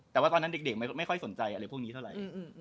แต่ว่าตอนนั้นเด็กไม่ค่อยสนใจอะไรพวกนี้เท่าไหร่